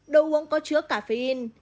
đồ uống có chứa cà phê in